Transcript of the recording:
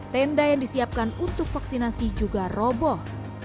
tenda yang disiapkan untuk vaksinasi juga roboh